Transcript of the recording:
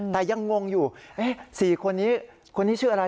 แต่ยังงงอยู่๔คนนี้คนนี้ชื่ออะไร